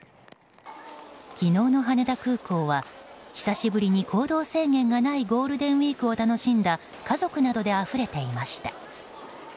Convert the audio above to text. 昨日の羽田空港は久しぶりに行動制限のないゴールデンウィークを楽しんだ家族などであふれていました。